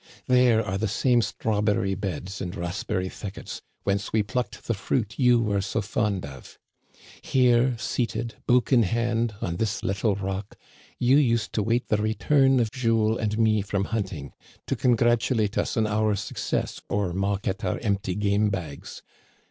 There are the same strawberry beds and raspberry thickets whence we plucked the fruit you were so fond of. Here, seated, book in hand, on this little rock, you used to wait the return of Jules and me from hunting, to congratulate us on our success or mock at our empty game bags.